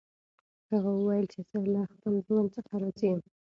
هغه وویل چې زه له خپل ژوند څخه راضي یم.